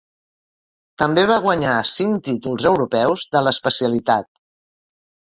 També va guanyar cinc títols europeus de l'especialitat.